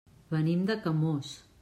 Venim de Camós.